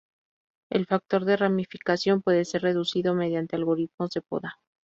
El factor de ramificación puede ser reducido mediante algoritmos de poda.